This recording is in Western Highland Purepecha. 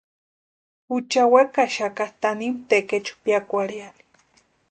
Jucha wekaxaka tanimu tekechu piakwarhiani.